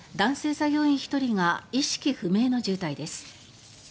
作業員１人が意識不明の重体です。